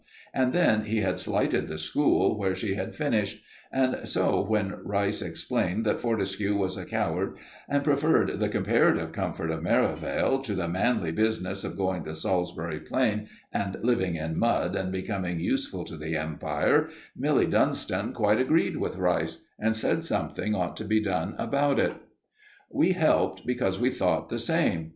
And then he had slighted the school where she had finished, and so, when Rice explained that Fortescue was a coward and preferred the comparative comfort of Merivale to the manly business of going to Salisbury Plain and living in mud and becoming useful to the Empire, Milly Dunston quite agreed with Rice, and said something ought to be done about it. We helped because we thought the same.